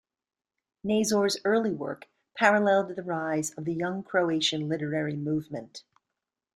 Nazor's early work paralleled the rise of the Young Croatian literary movement.